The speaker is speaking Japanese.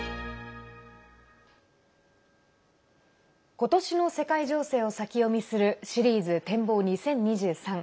今年の世界情勢を先読みするシリーズ展望２０２３。